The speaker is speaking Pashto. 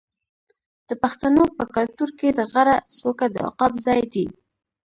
د پښتنو په کلتور کې د غره څوکه د عقاب ځای دی.